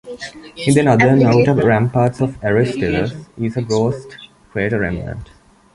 In the northern outer ramparts of Aristillus is a ghost crater remnant.